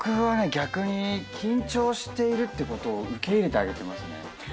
逆に緊張しているってことを受け入れてあげてますね。